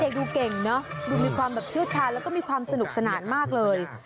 ดูเก่งเนอะดูมีความแบบเชี่ยวชาญแล้วก็มีความสนุกสนานมากเลย